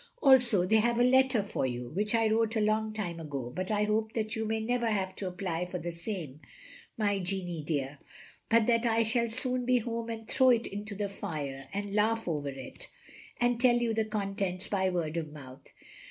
Also they have a letter for you, which I wrote a long time ago, but I hope that you may never have to apply for the same, my Jeannie dear, but that I shall soon be home to throw it into the fire and laugh over it, and tell you the contents by word of mouth.